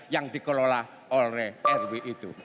yang dikelola oleh rw itu